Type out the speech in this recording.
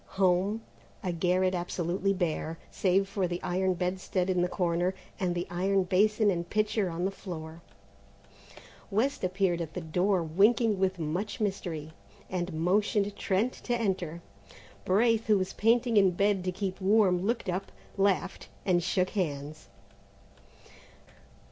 Home? A garret absolutely bare, save for the iron bedstead in the corner and the iron basin and pitcher on the floor. West appeared at the door, winking with much mystery, and motioned Trent to enter. Braith, who was painting in bed to keep warm, looked up, laughed, and shook hands.